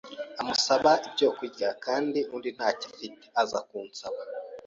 amusaba ibyo kurya kandi undi nta cyo afite, aza kunsaba